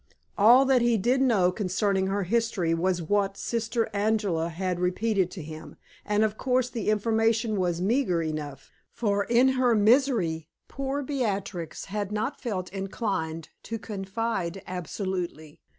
All that he did know concerning her history was what Sister Angela had repeated to him; and of course the information was meager enough; for in her misery poor Beatrix had not felt inclined to confide absolutely.